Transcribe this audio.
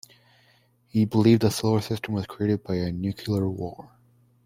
He believed that the solar system was created by a nuclear war.